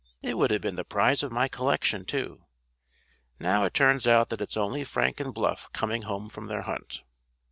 It would have been the prize of my collection, too. Now it turns out that it's only Frank and Bluff coming home from their hunt."